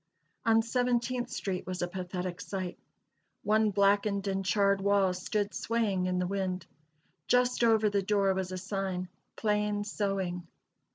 On Seventeenth street was a pathetic sight. One blackened and charred wall stood swaying in the wind. Just over the door was a sign "Plain Sewing."